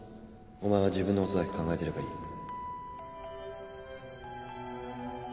お前は自分のことだけ考えてればいい